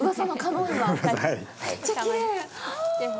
めっちゃきれい。